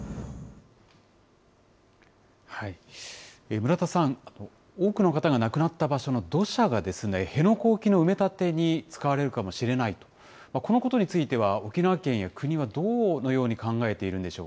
村田さん、多くの方が亡くなった場所の土砂が、辺野古沖の埋め立てに使われるかもしれないと、このことについては沖縄県や国は、どのように考えているんでしょう